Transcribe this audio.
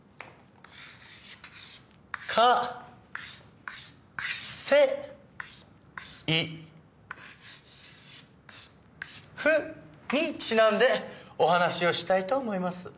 「かせいふ」にちなんでお話をしたいと思います。